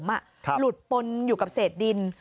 หลุดปนอยู่กับเศษดิน